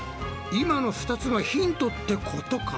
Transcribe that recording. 今の２つがヒントってことか？